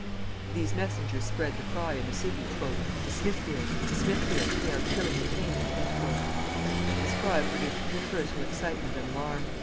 These messengers spread the cry in the city, "TO SMITHFIELD! TO SMITHFIELD! THEY ARE KILLING THE KING!" This cry produced universal excitement and alarm.